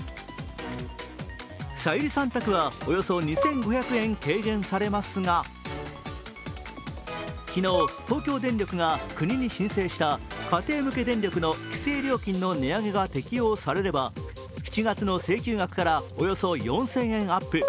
さゆりさん宅はおよそ２５００円軽減されますが昨日、東京電力が国に申請した家庭向け電力の規制料金の値上げが適用されれば７月の請求額からおよそ４０００円アップ。